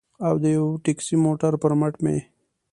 او د یوه ټکسي موټر پر مټ مې.